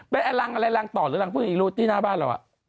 เป็นไอรังอะไรรังต่อหรือรังพึ่งอีรูที่หน้าบ้านเรา